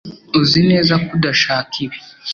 Uzi neza ko udashaka ibi